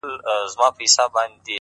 لوړ لید واټنونه کوچني کوي!